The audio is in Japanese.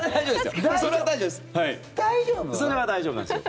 それは大丈夫ですよ。